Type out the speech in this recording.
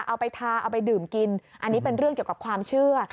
เอาไปทาเอาไปดื่มกินอันนี้เป็นเรื่องเกี่ยวกับความเชื่อ